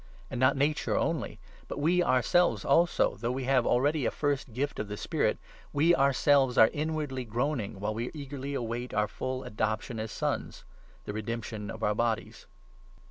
And not Nature only ; but we ourselves 23 also, though we have already a first gift of the Spirit — we ourselves are inwardly groaning, while we eagerly await our full adoption as Sons — the redemption of our bodies.